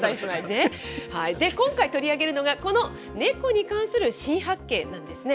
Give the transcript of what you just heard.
今回、取り上げるのがこのネコに関する新発見なんですね。